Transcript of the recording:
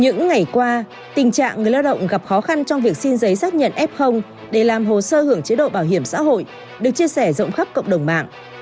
những ngày qua tình trạng người lao động gặp khó khăn trong việc xin giấy xác nhận f để làm hồ sơ hưởng chế độ bảo hiểm xã hội được chia sẻ rộng khắp cộng đồng mạng